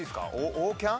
オーキャン。